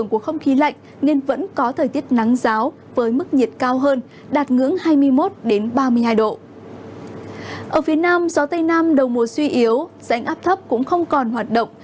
năm gió tây nam đầu mùa suy yếu rãnh áp thấp cũng không còn hoạt động